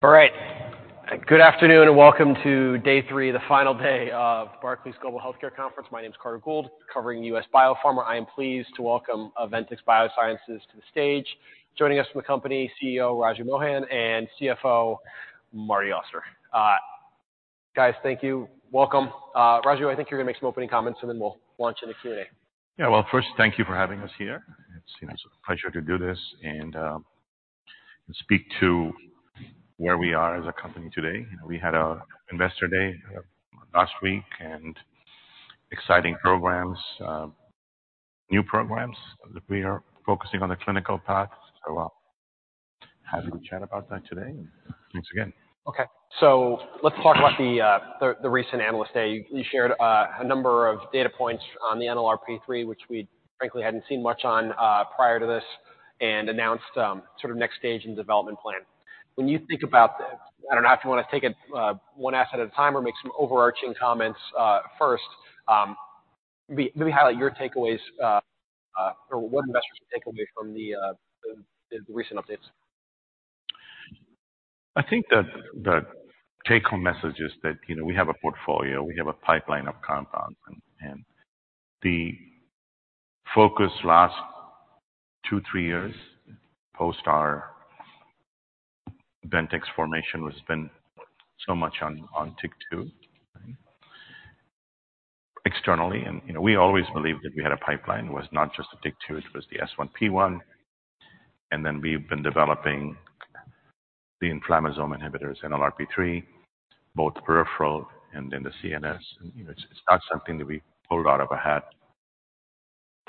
All right. Good afternoon and welcome to day three, the final day of the Barclays Global Healthcare Conference. My name's Carter Gould, covering U.S. Biopharma. I am pleased to welcome Ventyx Biosciences to the stage, joining us from the company, CEO Raju Mohan, and CFO Marty Auster. Guys, thank you. Welcome. Raju, I think you're gonna make some opening comments and then we'll launch into Q&A. Yeah. Well, first, thank you for having us here. It's, you know, it's a pleasure to do this and, and speak to where we are as a company today. You know, we had an Investor Day last week and exciting programs, new programs that we are focusing on the clinical path. So, happy to chat about that today. And thanks again. Okay. So let's talk about the recent Analyst Day. You shared a number of data points on the NLRP3, which we, frankly, hadn't seen much on prior to this, and announced sort of next stage in development plan. When you think about the I don't know if you wanna take it, one asset at a time or make some overarching comments first. Maybe highlight your takeaways, or what investors can take away from the recent updates. I think that take-home message is that, you know, we have a portfolio. We have a pipeline of compounds. And the focus last two, three years post our Ventyx formation has been so much on TYK2, right, externally. And, you know, we always believed that we had a pipeline. It was not just the TYK2. It was the S1P1. And then we've been developing the inflammasome inhibitors, NLRP3, both peripheral and in the CNS. And, you know, it's not something that we pulled out of a hat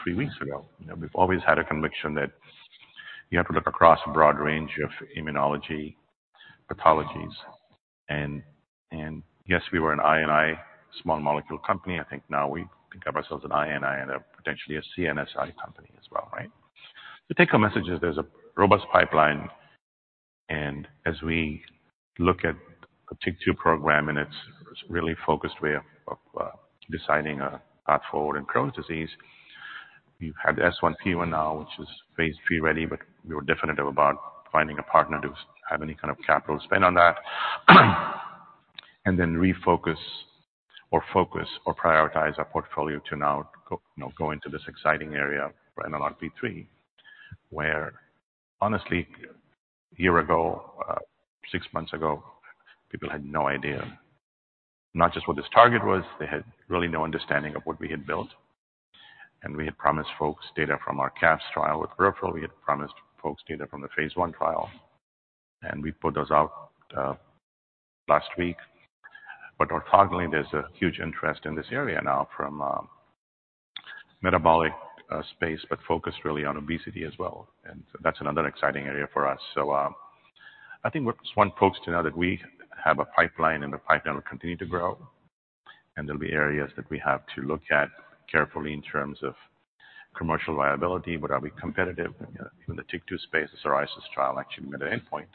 three weeks ago. You know, we've always had a conviction that you have to look across a broad range of immunology pathologies. And yes, we were an I&I small molecule company. I think now we think of ourselves as an I&I and potentially a CNS company as well, right? The take-home message is there's a robust pipeline. As we look at the TYK2 program and its really focused way of deciding a path forward in Crohn's disease, we've had the S1P1 now, which is phase III ready, but we were definitive about finding a partner to have any kind of capital spend on that and then refocus or focus or prioritize our portfolio to now go, you know, go into this exciting area for NLRP3 where, honestly, a year ago, six months ago, people had no idea, not just what this target was. They had really no understanding of what we had built. And we had promised folks data from our CSF trial with peripheral. We had promised folks data from the phase I trial. And we put those out last week. But orthogonally, there's a huge interest in this area now from the metabolic space but focused really on obesity as well. And so that's another exciting area for us. So, I think we just want folks to know that we have a pipeline, and the pipeline will continue to grow. And there'll be areas that we have to look at carefully in terms of commercial viability. But are we competitive? You know, even the TYK2 space, the psoriasis trial actually met an endpoint.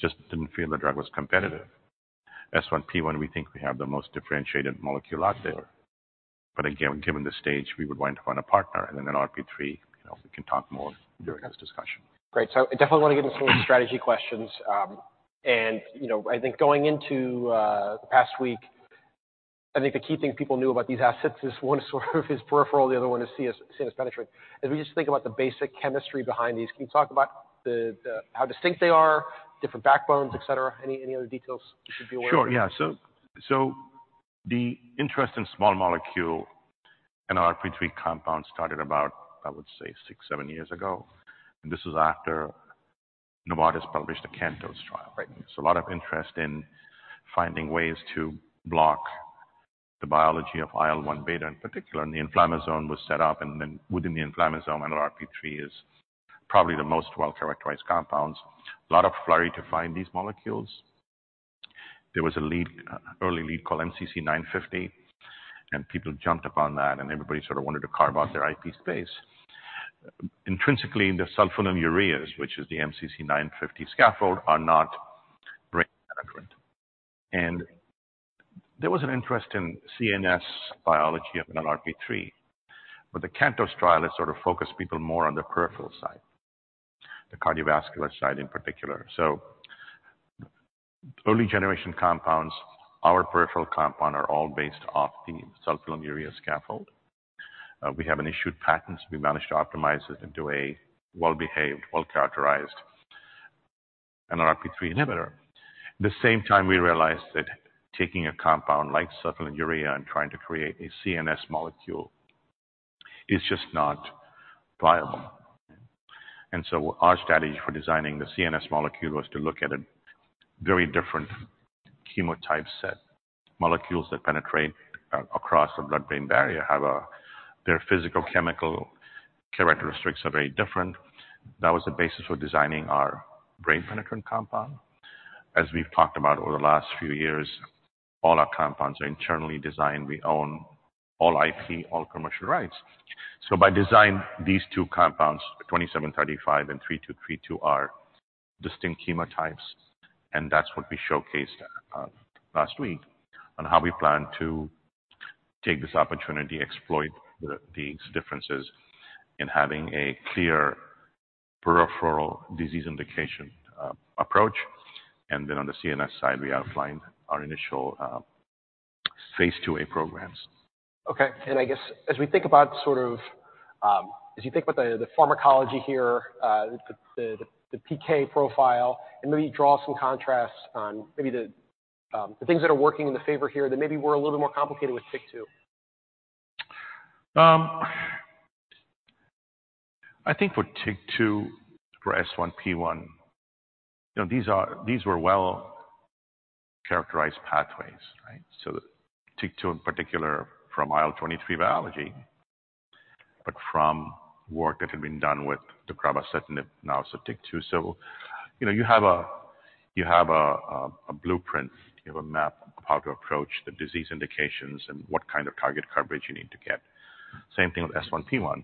Just didn't feel the drug was competitive. S1P1, we think we have the most differentiated molecule out there. But again, given the stage, we would want to find a partner. And then NLRP3, you know, we can talk more during this discussion. Great. So I definitely wanna get into some of the strategy questions. And, you know, I think going into the past week, I think the key thing people knew about these assets is one sort of is peripheral. The other one is CNS-penetrant. As we just think about the basic chemistry behind these, can you talk about how distinct they are, different backbones, etc.? Any other details we should be aware of? Sure. Yeah. So, so the interest in small molecule NLRP3 compounds started about, I would say, six, seven years ago. And this was after Novartis published the CANTOS trial. Right. So a lot of interest in finding ways to block the biology of IL-1 beta in particular. The inflammasome was set up. And then within the inflammasome, NLRP3 is probably the most well-characterized compounds. A lot of flurry to find these molecules. There was a lead, early lead called MCC950. And people jumped upon that. And everybody sort of wanted to carve out their IP space. Intrinsically, the sulfonylureas, which is the MCC950 scaffold, are not brain penetrant. And there was an interest in CNS biology of NLRP3. But the CANTOS trial has sort of focused people more on the peripheral side, the cardiovascular side in particular. So early-generation compounds, our peripheral compound are all based off the sulfonylurea scaffold. We have an issued patent. We managed to optimize it into a well-behaved, well-characterized NLRP3 inhibitor. At the same time, we realized that taking a compound like sulfonylurea and trying to create a CNS molecule is just not viable, right? And so our strategy for designing the CNS molecule was to look at a very different chemotype set. Molecules that penetrate across the blood-brain barrier have their physicochemical characteristics that are very different. That was the basis for designing our brain-penetrant compound. As we've talked about over the last few years, all our compounds are internally designed. We own all IP, all commercial rights. So by design, these two compounds, 2735 and 3232, are distinct chemotypes. And that's what we showcased last week on how we plan to take this opportunity, exploit these differences in having a clear peripheral disease indication approach. And then on the CNS side, we outlined our initial phase II-A programs. Okay. And I guess as we think about sort of, as you think about the PK profile, and maybe draw some contrasts on maybe the things that are working in the favor here that maybe were a little bit more complicated with TYK2. I think for TYK2, for S1P1, you know, these were well-characterized pathways, right? So TYK2 in particular from IL-23 biology but from work that had been done with deucravacitinib now as a TYK2. So, you know, you have a blueprint. You have a map of how to approach the disease indications and what kind of target coverage you need to get. Same thing with S1P1,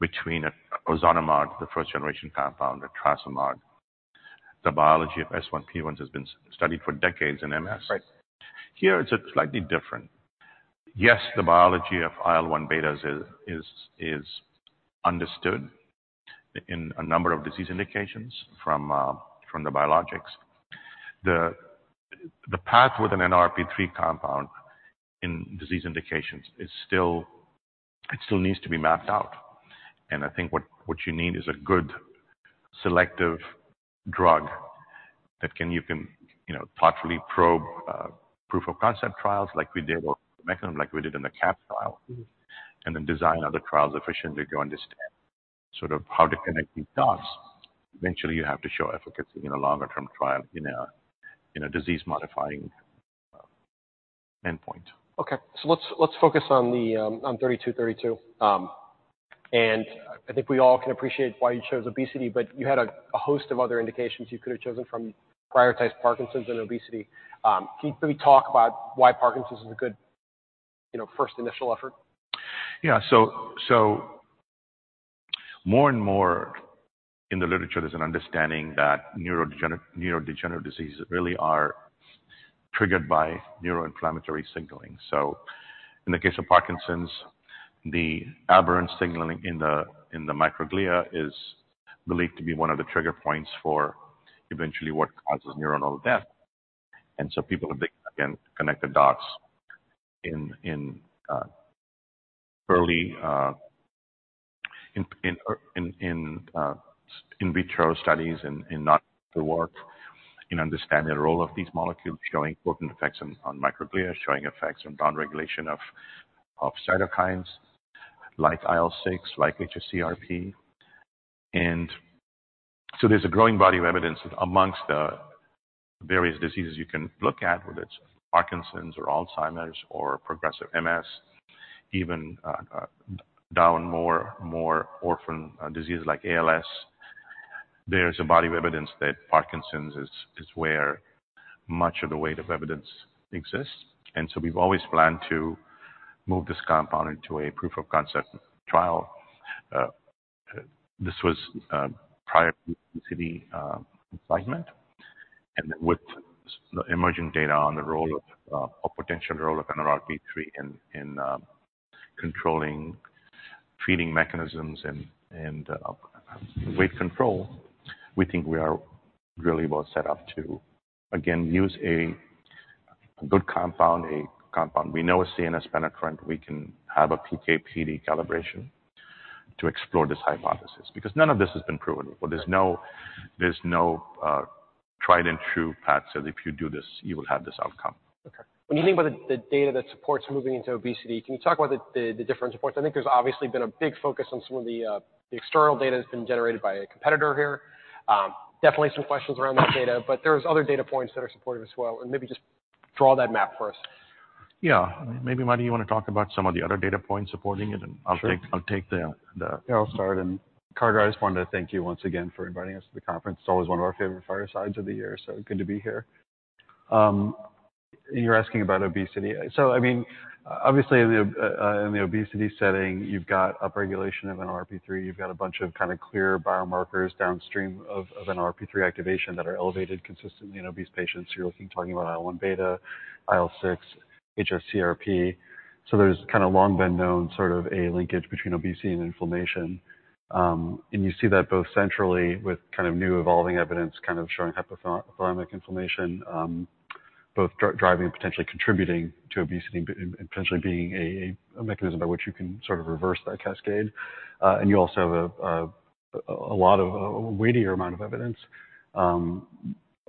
between a ozanimod, the first-generation compound, a etrasimod. The biology of S1P1s has been studied for decades in MS. Right. Here, it's slightly different. Yes, the biology of IL-1 beta is understood in a number of disease indications from the biologics. The path with an NLRP3 compound in disease indications is still; it still needs to be mapped out. And I think what you need is a good selective drug that can, you know, thoughtfully probe proof-of-concept trials like we did or mechanism like we did in the CANTOS trial and then design other trials efficiently to go understand sort of how to connect these dots. Eventually, you have to show efficacy in a longer-term trial in a disease-modifying endpoint. Okay. So let's focus on the, on 3232. And I think we all can appreciate why you chose obesity. But you had a host of other indications you could have chosen from, prioritize Parkinson's and obesity. Can you maybe talk about why Parkinson's is a good, you know, first initial effort? Yeah. So, more and more in the literature, there's an understanding that neurodegenerative diseases really are triggered by neuroinflammatory signaling. So in the case of Parkinson's, the aberrant signaling in the microglia is believed to be one of the trigger points for eventually what causes neuronal death. And so people have been again connected dots in early in vitro studies and the work in understanding the role of these molecules, showing potent effects on microglia, showing effects on downregulation of cytokines like IL-6, like hsCRP. And so there's a growing body of evidence that amongst the various diseases you can look at, whether it's Parkinson's or Alzheimer's or progressive MS, even more orphan diseases like ALS, there's a body of evidence that Parkinson's is where much of the weight of evidence exists. And so we've always planned to move this compound into a proof-of-concept trial. This was, prior to obesity, excitement. And then with the emerging data on the role of, or potential role of NLRP3 in, controlling feeding mechanisms and, weight control, we think we are really well set up to, again, use a good compound, a compound we know is CNS penetrant. We can have a PK/PD calibration to explore this hypothesis because none of this has been proven before. There's no tried-and-true path. So if you do this, you will have this outcome. Okay. When you think about the data that supports moving into obesity, can you talk about the different supports? I think there's obviously been a big focus on some of the external data that's been generated by a competitor here. Definitely some questions around that data. But there's other data points that are supportive as well. And maybe just draw that map for us. Yeah. Maybe, Marty, you wanna talk about some of the other data points supporting it? And I'll take the. Yeah. I'll start. And Carter, I just wanted to thank you once again for inviting us to the conference. It's always one of our favorite firesides of the year. So good to be here. And you're asking about obesity. So, I mean, obviously, in the obesity setting, you've got upregulation of NLRP3. You've got a bunch of kind of clear biomarkers downstream of NLRP3 activation that are elevated consistently in obese patients. You're talking about IL-1 beta, IL-6, hsCRP. So there's kind of long been known sort of a linkage between obesity and inflammation. And you see that both centrally with kind of new evolving evidence kind of showing hypothalamic inflammation, both driving and potentially contributing to obesity and potentially being a mechanism by which you can sort of reverse that cascade. and you also have a lot of a weightier amount of evidence,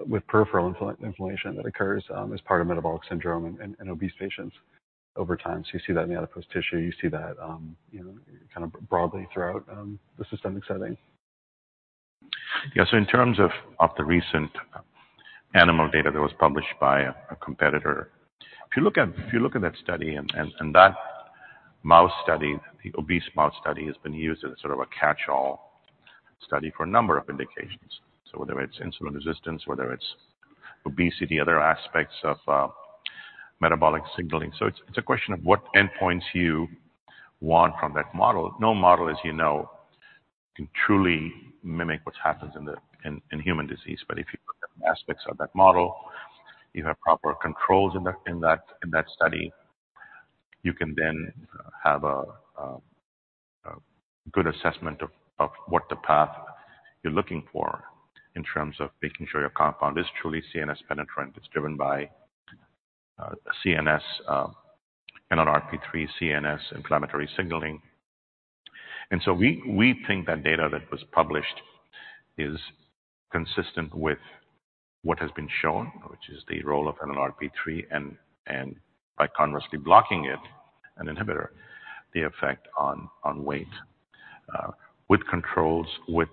with peripheral inflammation that occurs, as part of metabolic syndrome and obese patients over time. So you see that in the adipose tissue. You see that, you know, kind of broadly throughout, the systemic setting. Yeah. So in terms of the recent animal data that was published by a competitor, if you look at that study and that mouse study, the obese mouse study has been used as sort of a catch-all study for a number of indications, so whether it's insulin resistance, whether it's obesity, other aspects of metabolic signaling. So it's a question of what endpoints you want from that model. No model, as you know, can truly mimic what happens in human disease. But if you look at the aspects of that model, you have proper controls in that study, you can then have a good assessment of what the path you're looking for in terms of making sure your compound is truly CNS penetrant. It's driven by CNS NLRP3 CNS inflammatory signaling. We think that data that was published is consistent with what has been shown, which is the role of NLRP3 and by conversely blocking it, an inhibitor, the effect on weight, with controls, with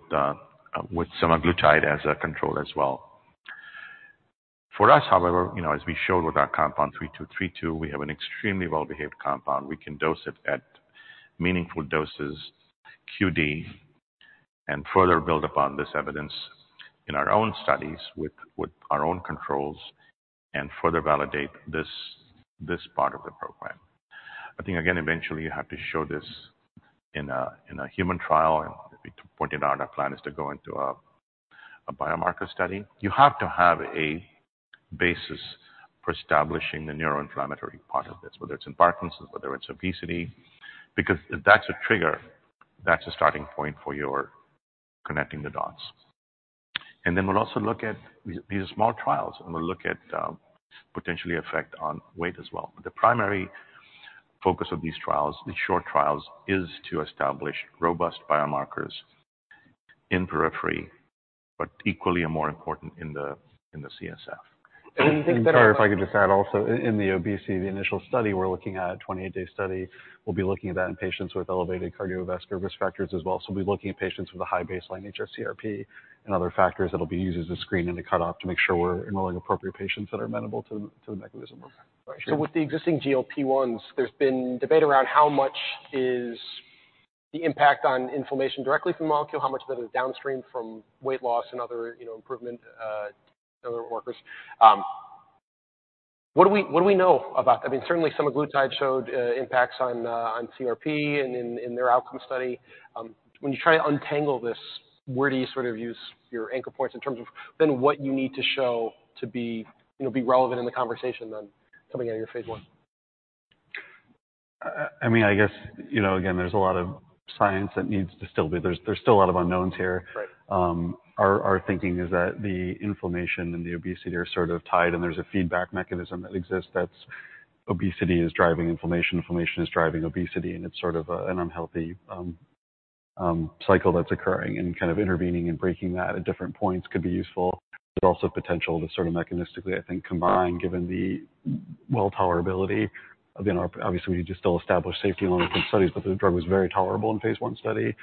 semaglutide as a control as well. For us, however, you know, as we showed with our compound 3232, we have an extremely well-behaved compound. We can dose it at meaningful doses QD and further build upon this evidence in our own studies with our own controls and further validate this part of the program. I think, again, eventually, you have to show this in a human trial. We pointed out our plan is to go into a biomarker study. You have to have a basis for establishing the neuroinflammatory part of this, whether it's in Parkinson's, whether it's obesity, because if that's a trigger, that's a starting point for your connecting the dots. And then we'll also look at these are small trials. And we'll look at, potentially effect on weight as well. But the primary focus of these trials, these short trials, is to establish robust biomarkers in periphery but equally or more important in the CSF. And I think that are. And sorry if I could just add also. In the obesity, the initial study, we're looking at a 28-day study. We'll be looking at that in patients with elevated cardiovascular risk factors as well. So we'll be looking at patients with a high baseline hsCRP and other factors that'll be used as a screen and a cutoff to make sure we're enrolling appropriate patients that are amenable to the mechanism. Right. So with the existing GLP-1s, there's been debate around how much is the impact on inflammation directly from the molecule, how much of it is downstream from weight loss and other, you know, improvement, other markers. What do we know about that? I mean, certainly, semaglutide showed impacts on CRP and in their outcome study. When you try to untangle this, where do you sort of use your anchor points in terms of then what you need to show to be, you know, be relevant in the conversation then coming out of your phase I? I mean, I guess, you know, again, there's a lot of science that needs to still be. There's still a lot of unknowns here. Right. Our thinking is that the inflammation and the obesity are sort of tied. And there's a feedback mechanism that exists that's obesity is driving inflammation. Inflammation is driving obesity. And it's sort of an unhealthy cycle that's occurring. And kind of intervening and breaking that at different points could be useful. There's also potential to sort of mechanistically, I think, combine given the well-tolerability of the NLRP3 obviously, we need to still establish safety along with some studies. But the drug was very tolerable in phase I study,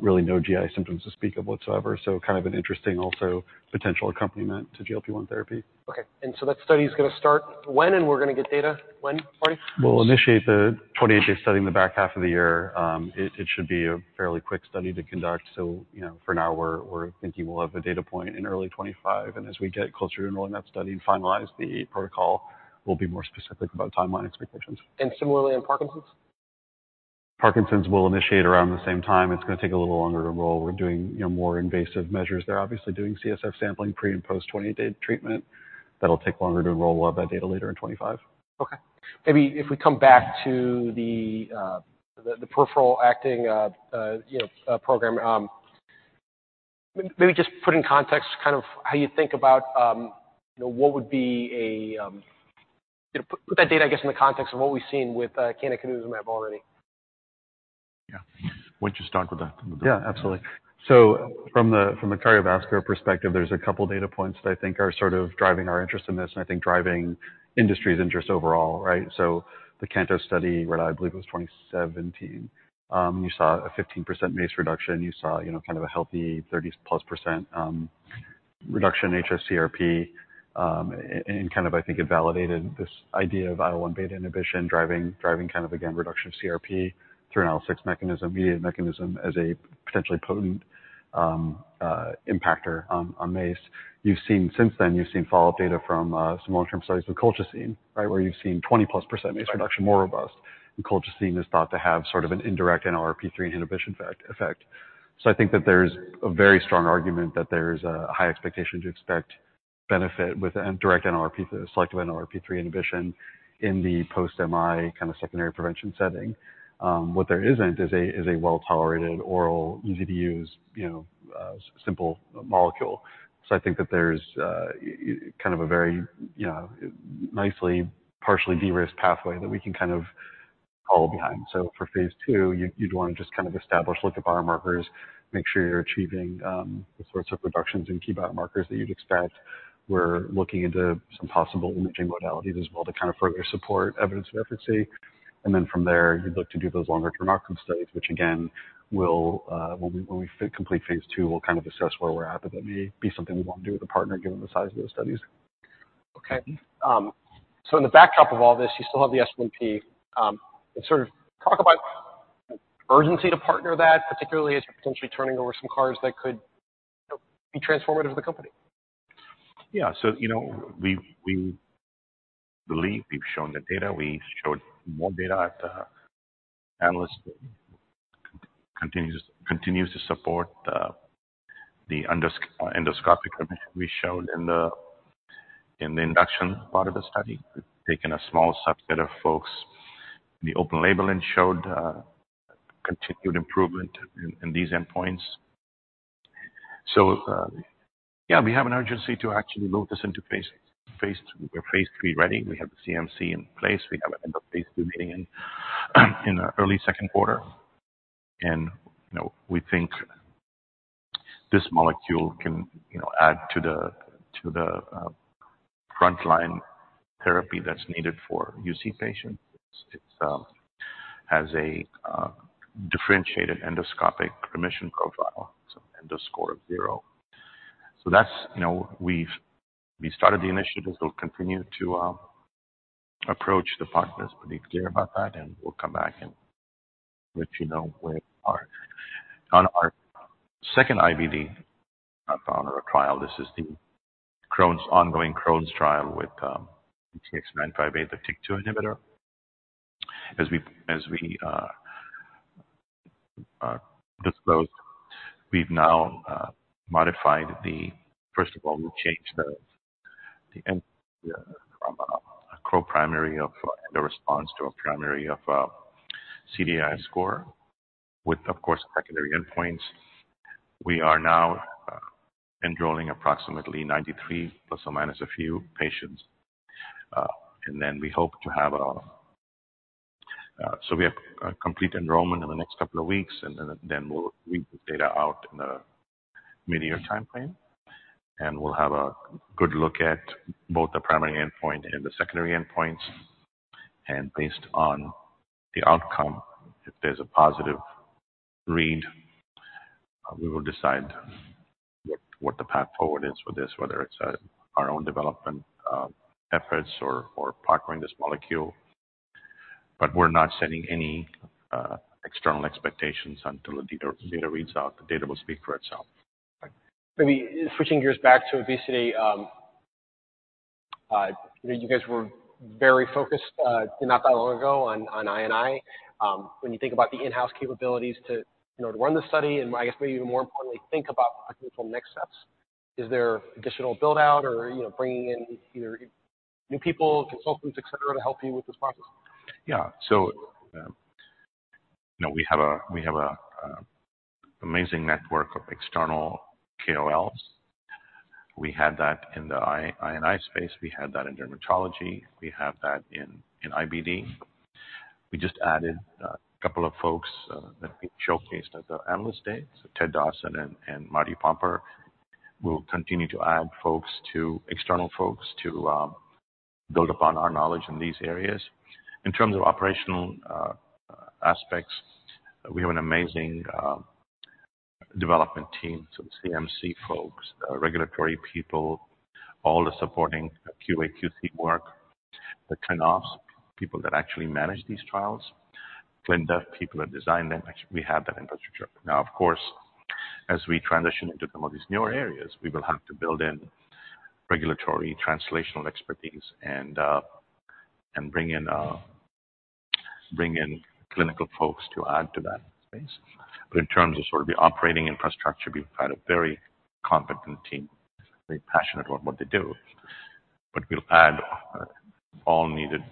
really no GI symptoms to speak of whatsoever. So kind of an interesting also potential accompaniment to GLP-1 therapy. Okay. And so that study's gonna start when, and we're gonna get data when, Marty? We'll initiate the 28-day study in the back half of the year. It should be a fairly quick study to conduct. So, you know, for now, we're thinking we'll have a data point in early 2025. And as we get closer to enrolling that study and finalize the protocol, we'll be more specific about timeline expectations. Similarly in Parkinson's? Parkinson's will initiate around the same time. It's gonna take a little longer to enroll. We're doing, you know, more invasive measures. They're obviously doing CSF sampling pre and post 28-day treatment. That'll take longer to enroll. We'll have that data later in 2025. Okay. Maybe if we come back to the peripheral acting, you know, program, maybe just put in context kind of how you think about, you know, what would be a, you know, put that data, I guess, in the context of what we've seen with CANTOS and MACE already. Yeah. Why don't you start with that? Yeah. Absolutely. So from the cardiovascular perspective, there's a couple data points that I think are sort of driving our interest in this and I think driving industry's interest overall, right? So the CANTOS study, what I believe it was, 2017, you saw a 15% MACE reduction. You saw, you know, kind of a healthy 30+% reduction in hsCRP. And kind of, I think, it validated this idea of IL-1 beta inhibition driving kind of, again, reduction of CRP through an IL-6 mediated mechanism, as a potentially potent impactor on MACE. You've seen since then, you've seen follow-up data from some long-term studies with colchicine, right, where you've seen 20+% MACE reduction, more robust. And colchicine is thought to have sort of an indirect NLRP3 inhibition effect. So I think that there's a very strong argument that there's a high expectation to expect benefit with a direct NLRP3 selective NLRP3 inhibition in the post-MI kind of secondary prevention setting. What there isn't is a well-tolerated oral, easy-to-use, you know, simple molecule. So I think that there's, kind of a very, you know, nicely partially de-risked pathway that we can kind of follow behind. So for phase II, you, you'd wanna just kind of establish, look at biomarkers, make sure you're achieving, the sorts of reductions in key biomarkers that you'd expect. We're looking into some possible imaging modalities as well to kind of further support evidence of efficacy. And then from there, you'd look to do those longer-term outcome studies, which, again, will, when we complete phase II, we'll kind of assess where we're at. But that may be something we wanna do with a partner given the size of those studies. Okay. So in the backdrop of all this, you still have the S1P and sort of talk about urgency to partner that, particularly as you're potentially turning over some cards that could, you know, be transformative for the company. Yeah. So, you know, we believe we've shown the data. We showed more data that continues to support the endoscopic image we showed in the induction part of the study. We've taken a small subset of folks in the open label and showed continued improvement in these endpoints. So, yeah, we have an urgency to actually move this into phase III. We're phase III ready. We have the CMC in place. We have an end-of-phase II meeting in early second quarter. And, you know, we think this molecule can, you know, add to the frontline therapy that's needed for UC patients. It has a differentiated endoscopic remission profile. It's an endoscopy score of 0. So that's, you know, we've started the initiatives. We'll continue to approach the partners. Be clear about that. And we'll come back and let you know where we are on our second IBD trial. This is the Crohn's ongoing Crohn's trial with VTX958, the TYK2 inhibitor. As we disclosed, we've now modified it. First of all, we changed the endpoint from a co-primary of endoscopic response to a primary of a CDAI score with, of course, secondary endpoints. We are now enrolling approximately 93 ± a few patients. And then we hope to have, so we have, complete enrollment in the next couple of weeks. And then we'll read the data out in the mid-year timeframe. And we'll have a good look at both the primary endpoint and the secondary endpoints. And based on the outcome, if there's a positive read, we will decide what the path forward is for this, whether it's our own development efforts or partnering this molecule. But we're not setting any external expectations until the data reads out. The data will speak for itself. Right. Maybe switching gears back to obesity, you know, you guys were very focused, not that long ago on, on INI. When you think about the in-house capabilities to, you know, to run the study and, I guess, maybe even more importantly, think about the potential next steps, is there additional build-out or, you know, bringing in either new people, consultants, etc., to help you with this process? Yeah. So, you know, we have an amazing network of external KOLs. We had that in the I&I space. We had that in dermatology. We have that in IBD. We just added a couple of folks that we showcased at the Analyst Day. So Ted Dawson and Marty Pomper. We'll continue to add external folks to build upon our knowledge in these areas. In terms of operational aspects, we have an amazing development team, so the CMC folks, the regulatory people, all the supporting QA, QC work, the trial ops people that actually manage these trials, and the people that design them. Actually, we have that infrastructure. Now, of course, as we transition into some of these newer areas, we will have to build in regulatory translational expertise and bring in clinical folks to add to that space. In terms of sort of the operating infrastructure, we've got a very competent team, very passionate about what they do. We'll add all needed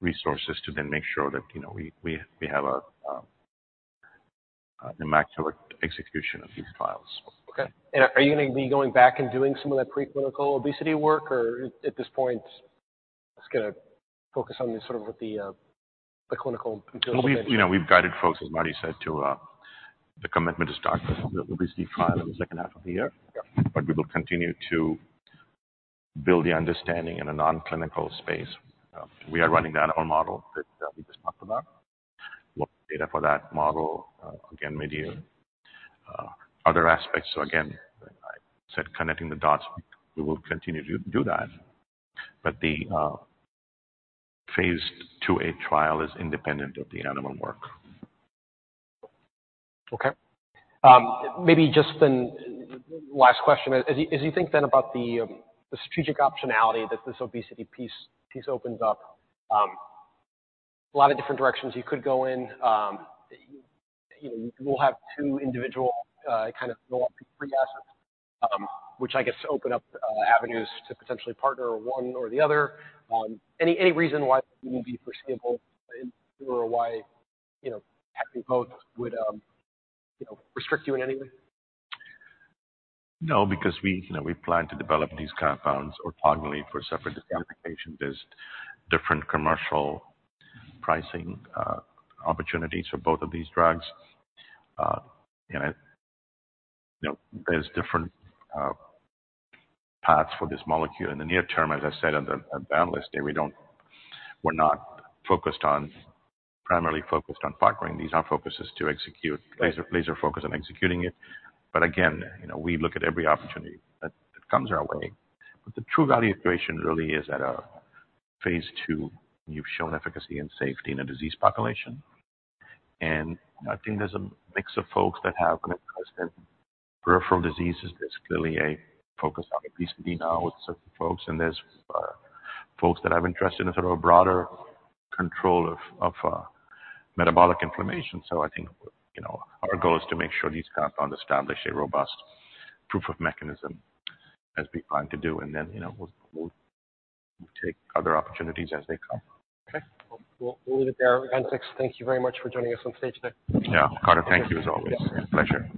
resources to then make sure that, you know, we have an immaculate execution of these trials. Okay. And are you gonna be going back and doing some of that preclinical obesity work? Or at this point, it's gonna focus on sort of what the clinical improvement is? Well, you know, we've guided folks, as Marty said, to the commitment is to start the obesity trial in the second half of the year. Yeah. But we will continue to build the understanding in a non-clinical space. We are running the animal model that we just talked about. We'll have data for that model, again, mid-year. Other aspects, so again, I said, connecting the dots. We will continue to do that. But the phase II-A trial is independent of the animal work. Okay. Maybe just the last question. As you think about the strategic optionality that this obesity piece opens up, a lot of different directions you could go in. You know, we'll have two individual, kind of enrollment-free assets, which, I guess, open up avenues to potentially partner one or the other. Any reason why that wouldn't be foreseeable in the future or why, you know, having both would, you know, restrict you in any way? No. Because we, you know, we plan to develop these compounds orthogonally for separate design applications. There's different commercial pricing, opportunities for both of these drugs. And I, you know, there's different paths for this molecule. In the near term, as I said on the, on the Analyst Day, we don't we're not focused on primarily focused on partnering. These are focuses to execute laser, laser-focused on executing it. But again, you know, we look at every opportunity that, that comes our way. But the true value creation really is at a phase II. You've shown efficacy and safety in a disease population. And I think there's a mix of folks that have an interest in peripheral diseases. There's clearly a focus on obesity now with certain folks. And there's folks that have interest in a sort of a broader control of, of, metabolic inflammation. I think, you know, our goal is to make sure these compounds establish a robust proof of mechanism as we plan to do. Then, you know, we'll take other opportunities as they come. Okay. Well, we'll leave it there. Ventyx, thank you very much for joining us on stage today. Yeah. Carter, thank you as always. Pleasure.